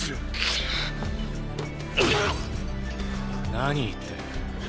何言ってる。